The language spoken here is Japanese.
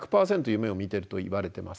夢を見てるといわれてます。